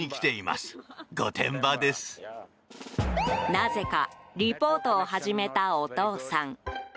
なぜかリポートを始めたお父さん。